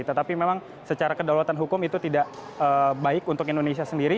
tetapi memang secara kedaulatan hukum itu tidak baik untuk indonesia sendiri